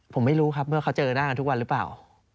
ผมไม่รู้ครับเมื่อเขาเจอหน้ากันทุกวันหรือเปล่า